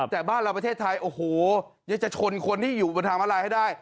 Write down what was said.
แต่บ้านเราประเทศไทยโอ้โหยังจะชนคนที่อยู่บนทางมาลายให้ได้